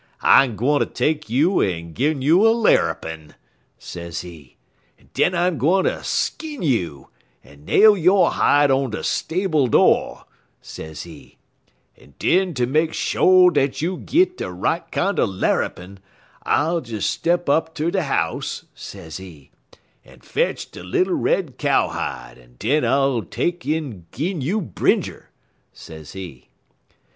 I'm gwine ter take you en gin you a larrupin',' sezee, 'en den I'm gwine ter skin you en nail yo' hide on de stable do',' sezee; 'en den ter make sho dat you git de right kinder larrupin', I'll des step up ter de house,' sezee, 'en fetch de little red cowhide, en den I'll take en gin you brinjer,' sezee.